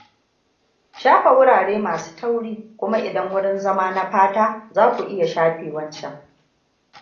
Shafa wurare masun tauri, kuma idan wurin zama na fata zaku iya shafe wancan.